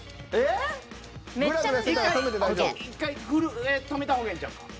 １回震え止めた方がいいんちゃうんか。